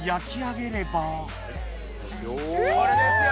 これですよ！